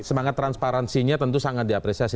semangat transparansinya tentu sangat diapresiasi